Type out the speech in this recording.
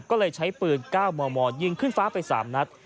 ก็เลยใช้ปืน๙มมยิงขึ้นฟ้าไป๓นัด